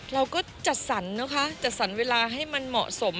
เราก็จัดสรรนะคะจัดสรรเวลาให้มันเหมาะสม